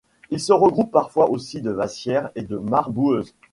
Ils se regroupent parfois autour de vasières et de mares boueuses.